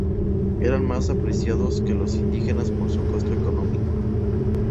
Eran más apreciados que los indígenas por su costo económico.